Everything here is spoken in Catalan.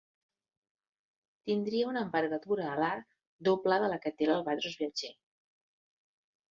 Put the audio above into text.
Tindria una envergadura alar doble de la que té l'albatros viatger.